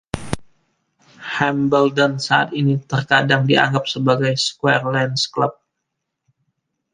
Hambledon saat ini terkadang dianggap sebagai "Squire Land's Club".